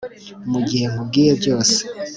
mugihe nkubwiye byose